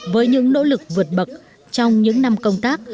với những nỗ lực vượt bậc trong những năm công tác